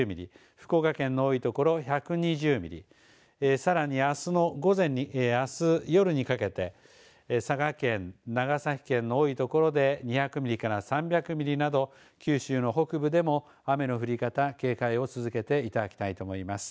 福岡県の多いところ１２０ミリ、さらにあすの午前にあす夜にかけて佐賀県、長崎県の多いところで２００ミリから３００ミリなど九州の北部でも雨の降り方警戒を続けていただきたいと思います。